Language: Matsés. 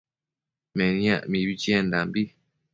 Meniac mibi chiendambi